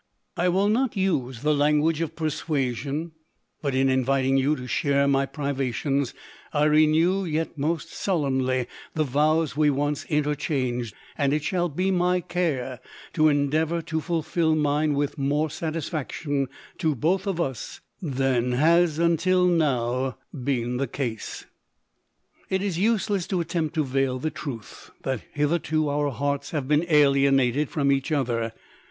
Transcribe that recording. I will not use the language of per suasion, but in inviting you to share my pri vations, I renew, yet more solemnly, the vows we once interchanged ; and it shall be my care to endeavour to fulfil mine with more satisfac tion to both of us than has until now been the ease. 44 It is useless to attempt to veil the truth, that hitherto our hearts have been alienated from each other.